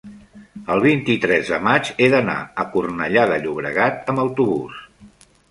el vint-i-tres de maig he d'anar a Cornellà de Llobregat amb autobús.